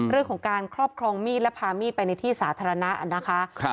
เรื่องของการครอบครองมีดและพามีดไปในที่สาธารณะนะคะ